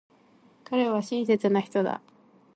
彼は親切な人だ。